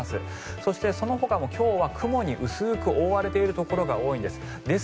そして、そのほかも今日は雲に薄く覆われているところが多いんです。